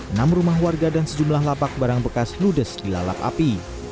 enam rumah warga dan sejumlah lapak barang bekas ludes dilalap api